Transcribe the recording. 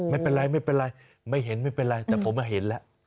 ไม่เป็นไรไม่เป็นไรไม่เห็นไม่เป็นไรแต่ผมเห็นแล้ว